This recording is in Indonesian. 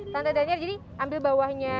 tante daniel jadi ambil bawahnya